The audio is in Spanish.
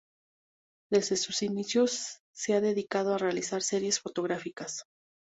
Desde sus inicios se han dedicado a realizar series fotográficas.